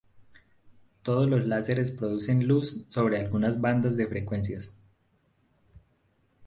Todos los láseres producen luz sobre algunas bandas de frecuencias.